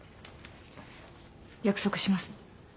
約束します。